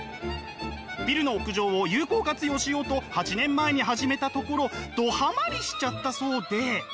ビルの屋上を有効活用しようと８年前に始めたところどハマりしちゃったそうで。